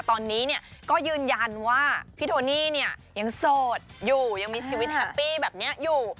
ตอนนี้เนี่ยก็ยืนยันว่าพี่โทนี่เนี่ยยังโสดอยู่ยังมีชีวิตแฮปปี้แบบนี้อยู่